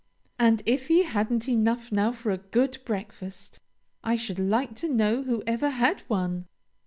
"And if he hadn't enough now for a good breakfast, I should like to know who ever had one?"